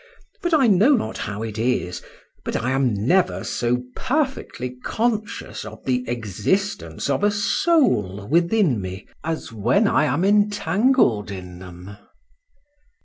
But I know not how it is, but I am never so perfectly conscious of the existence of a soul within me, as when I am entangled in them.